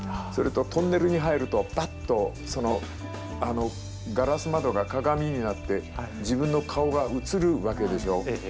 それとトンネルに入るとバッとそのガラス窓が鏡になって自分の顔が映るわけでしょ。